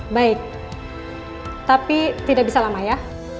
baik tapi tidak bisa lama ya